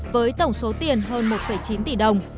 với tổng số tiền hơn một chín tỷ đồng